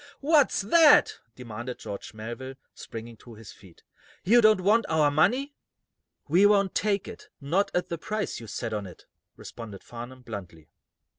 "What's that?" demanded George Melville, springing to his feet. "You don't want our money?" "We won't take it not at the price you set on it," responded Farnum, bluntly.